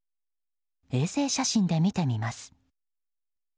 衛星写真で見てみます。